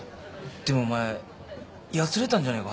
でもお前やつれたんじゃねえか？